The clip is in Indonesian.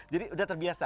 jadi sudah terbiasa